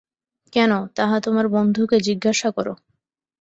কেন, তাহা তোমার বন্ধুকে জিজ্ঞাসা করো।